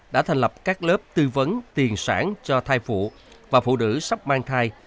đã thành lập các lớp tư vấn tiền sản cho thai phụ và phụ nữ sắp mang thai